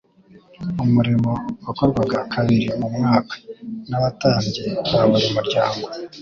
Umurimo wakorwaga kabiri mu mwaka n'abatambyi ba buri muryango.